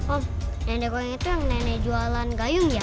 oh nenek goyang itu yang nenek jualan gayung ya